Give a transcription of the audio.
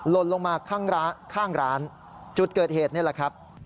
ลนลงมาข้างร้านจุดเกิดเหตุนี่แหละครับ